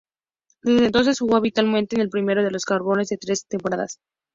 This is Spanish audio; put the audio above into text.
Desde entonces jugó habitualmente en el primero de los carboneros por tres temporadas consecutivas.